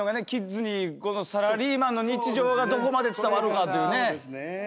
キッズにサラリーマンの日常がどこまで伝わるかというね。